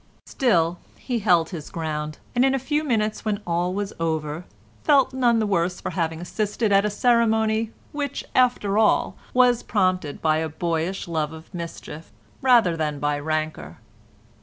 Still he held his ground, and in a few minutes when all was over felt none the worse for having assisted at a ceremony which, after all, was prompted by a boyish love of mischief rather than by rancour.